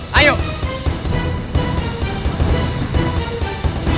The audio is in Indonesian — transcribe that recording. mas aku mau